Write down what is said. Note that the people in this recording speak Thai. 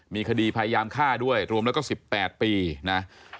มีคดีพยายามฆ่าด้วยรวมแล้วก็๑๘ปีนะ